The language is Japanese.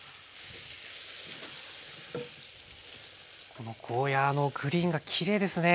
このゴーヤーのグリーンがきれいですね。